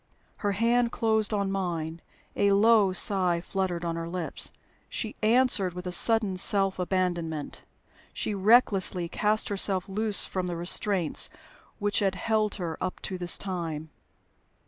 Her hand closed on mine, a low sigh fluttered on her lips. She answered with a sudden self abandonment; she recklessly cast herself loose from the restraints which had held her up to this time.